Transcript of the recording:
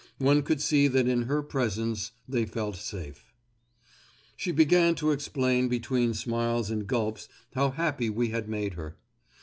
One could see that in her presence they felt safe. She began to explain between smiles and gulps how happy we had made her.